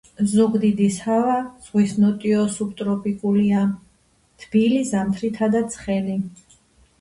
ზუგდიდის ჰავა ზღვის ნოტიო სუბტროპიკულია, თბილი ზამთრითა და ცხელი